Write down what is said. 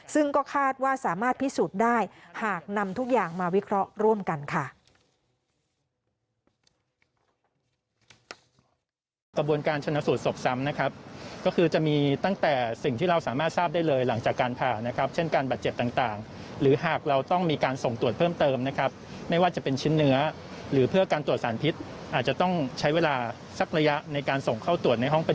ซึ่งก็คาดว่าสามารถพิสูจน์ได้หากนำทุกอย่างมาวิเคราะห์ร่วมกันค่ะ